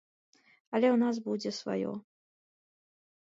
Але ў нас будзе сваё.